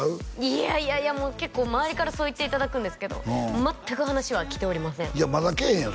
いやいやいやもう結構周りからそう言っていただくんですけど全く話は来ておりませんいやまだけえへんよ